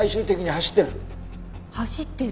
走ってる？